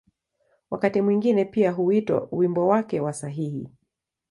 Wakati mwingine pia huitwa ‘’wimbo wake wa sahihi’’.